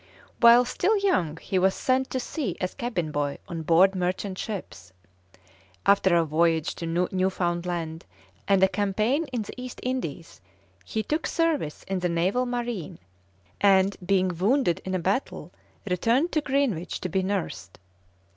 While still young he was sent to sea as cabin boy on board merchant ships. After a voyage to Newfoundland and a campaign in the East Indies, he took service in the Naval Marine, and being wounded in a battle, returned to Greenwich to be nursed.